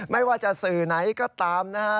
ไม่ว่าจะสื่อไหนก็ตามนะฮะ